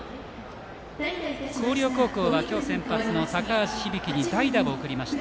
広陵高校は今日、先発の高尾響に代打を送りました。